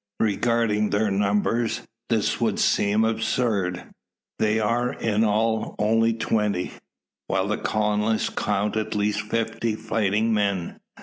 Regarding their numbers, this would seem absurd. They are in all only twenty; while the colonists count at least fifty fighting men.